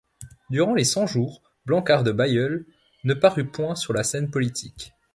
Durant les Cent-Jours, Blanquart de Bailleul ne parut point sur la scène politique.